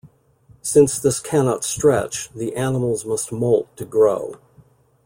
Since this cannot stretch, the animals must molt to grow.